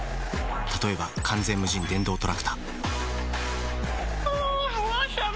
例えば完全無人電動トラクタあぁわさび。